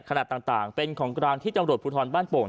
ขนาดต่างเป็นของกลางที่ตำรวจภูทรบ้านโป่ง